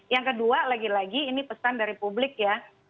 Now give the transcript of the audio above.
yang kedua lagi lagi ini pesan dari publik ya